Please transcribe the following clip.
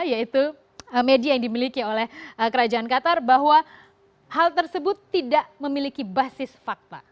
yaitu media yang dimiliki oleh kerajaan qatar bahwa hal tersebut tidak memiliki basis fakta